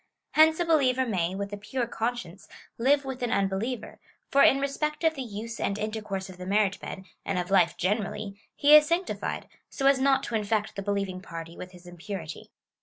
Hence a believer may, with a pure conscience, live with an unbeliever, for in respect of the use and intercourse of the marriage bed, and of life generally, he is sanctified, so as not to infect the be lieving party with his impurity.